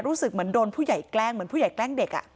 รู้สึกเหมือนโดนผู้ใหญ่แกล้งเหมือนผู้ใหญ่แกล้งเด็ก